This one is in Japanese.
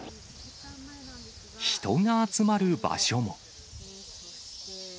人が集まる場所も。